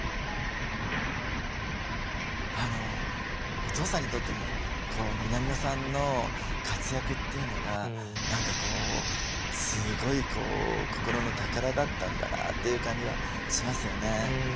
お父さんにとって南野さんの活躍っていうのが何かこうすごい心の宝だったんだなっていう感じはしますよね。